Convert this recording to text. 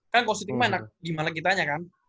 kan kalau shooting mah enak gimana kita aja kan